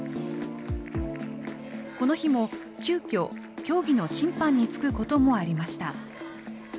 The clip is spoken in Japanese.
この日も、急きょ競技の審判につくこともありました。